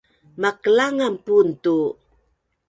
Maklangan pun tu